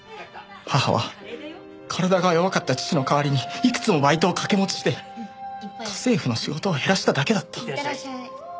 母は体が弱かった父の代わりにいくつもバイトを掛け持ちして家政婦の仕事を減らしただけだった。